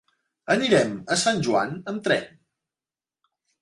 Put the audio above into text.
Anirem a Sant Joan amb tren.